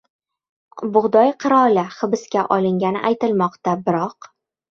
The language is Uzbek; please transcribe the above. «Bug‘doy qiroli» hibsga olingani aytilmoqda. Biroq...